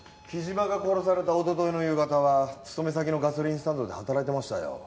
木島が殺されたおとといの夕方は勤め先のガソリンスタンドで働いてましたよ。